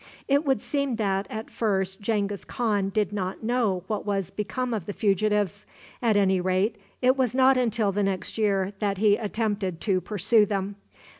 It would seem that, at first, Genghis Khan did not know what was become of the fugitives. At any rate, it was not until the next year that he attempted to pursue them.